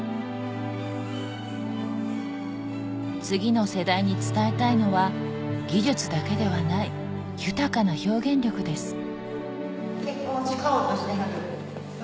次の世代に伝えたいのは技術だけではない豊かな表現力です